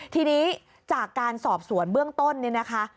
ทีนี้จากการสอบสวนเบื้องต้นเนี่ยนะคะ